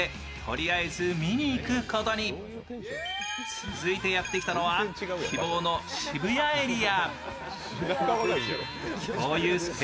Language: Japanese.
続いてやってきたのは希望の渋谷エリア。